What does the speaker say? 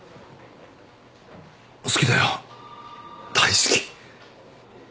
好きだよ大好き。